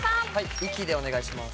「息」でお願いします。